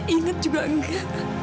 ingat juga nggak